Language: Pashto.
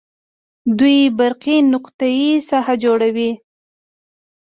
دوې برقي نقطې ساحه جوړوي.